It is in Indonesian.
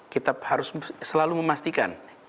kita harus selalu memastikan